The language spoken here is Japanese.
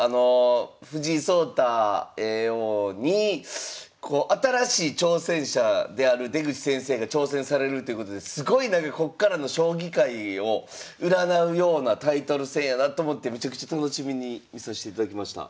藤井聡太叡王に新しい挑戦者である出口先生が挑戦されるっていうことですごいこっからの将棋界を占うようなタイトル戦やなと思ってめちゃくちゃ楽しみに見さしていただきました。